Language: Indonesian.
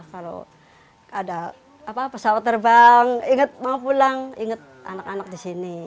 kalau ada pesawat terbang ingat mau pulang ingat anak anak di sini